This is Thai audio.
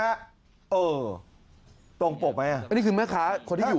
อาทิตย์๒๒อาทิตย์